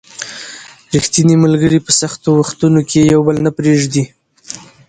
ریښتیني ملګري په سختو وختونو کې یو بل نه پرېږدي